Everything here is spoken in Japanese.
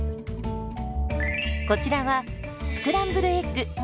こちらはスクランブルエッグ。